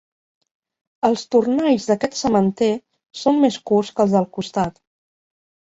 Els tornalls d'aquest sementer són més curts que els del costat.